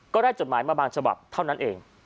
จดหมายมาบางฉบับเท่านั้นเอง